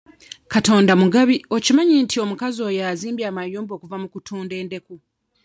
Katonda mugabi okimanyi nti omukazi oyo azimbye amayumba okuva mu kutunda endeku?